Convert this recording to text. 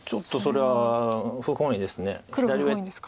黒は不本意ですか。